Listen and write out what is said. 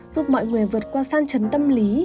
giúp mọi người vượt qua san chấn tâm lý